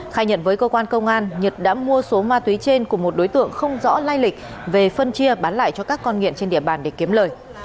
khai nhận với cơ quan công an nhật đã mua số ma túy trên của một đối tượng không rõ lai lịch về phân chia bán lại cho các con nghiện trên địa bàn để kiếm lời